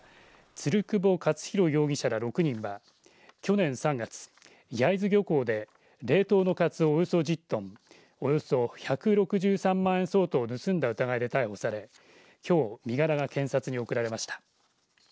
鶴窪勝廣容疑者ら６人が去年３月、焼津漁港で冷凍のカツオおよそ１０トンおよそ１６３万円相当を盗んだ疑いで逮捕されきょう身柄が検察に送られました。